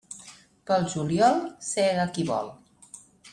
Pel juliol, sega qui vol.